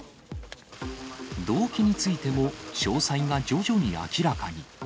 動機についても詳細が徐々に明らかに。